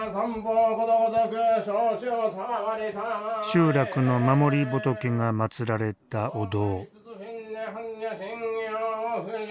集落の守り仏がまつられたお堂。